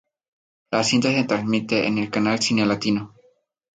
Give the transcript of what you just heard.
La cinta se transmite en el canal Cine Latino.